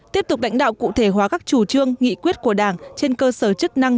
tiếp tục lãnh đạo cụ thể hóa các chủ trương nghị quyết của đảng trên cơ sở chức năng